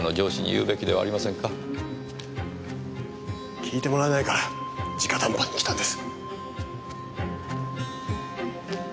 聞いてもらえないから直談判に来たんです。